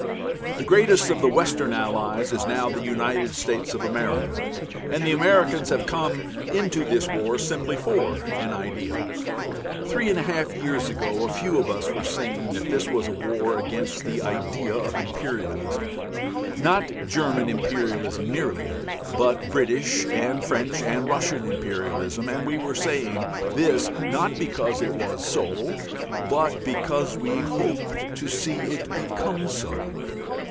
The greatest of the Western Allies is now the United States of America, and the Americans have come into this war simply for an idea. Three years and a half ago a few of us were saying this was a war against the idea of imperialism, not German imperialism merely, but British and French and Russian imperialism, and we were saying this not because it was so, but because we hoped to see it become so.